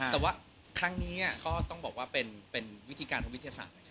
แต่ว่าครั้งนี้ก็ต้องบอกว่าเป็นวิธีการทางวิทยาศาสตร์